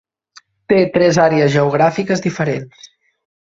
Té tres àrees geogràfiques diferents.